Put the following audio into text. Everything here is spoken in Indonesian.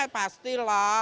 ya pasti loh